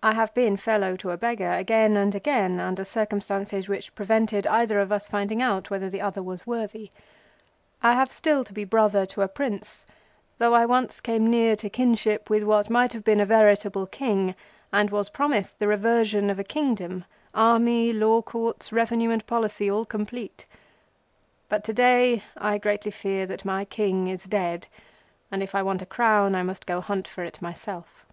I have been fellow to a beggar again and again under circumstances which prevented either of us finding out whether the other was worthy. I have still to be brother to a Prince, though I once came near to kinship with what might have been a veritable King and was promised the reversion of a Kingdom—army, law courts, revenue and policy all complete. But, to day, I greatly fear that my King is dead, and if I want a crown I must go and hunt it for myself.